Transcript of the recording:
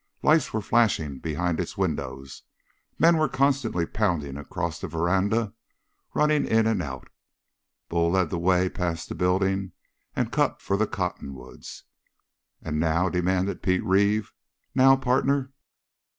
Lights were flashing behind its windows, men were constantly pounding across the veranda, running in and out. Bull led the way past the building and cut for the cottonwoods. "And now?" demanded Pete Reeve. "Now, partner?"